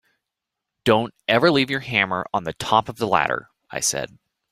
Don’t ever leave your hammer on the top of the ladder, I said.